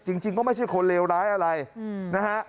จริงก็ไม่ใช่คนเลวร้ายอะไรนะฮะ